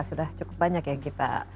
sudah cukup banyak yang kita